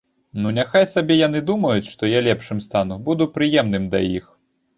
Ну, няхай сабе яны думаюць, што я лепшым стану, буду прыемным да іх.